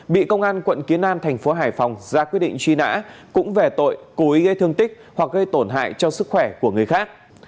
bị công an quận kiến an thành phố hải phòng ra quyết định truy nã cũng về tội cố ý gây thương tích hoặc gây tổn hại cho sức khỏe của người khác